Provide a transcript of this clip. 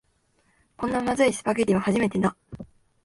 こんなまずいスパゲティは初めてだ